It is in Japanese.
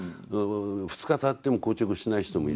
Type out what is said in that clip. ２日たっても硬直しない人もいる。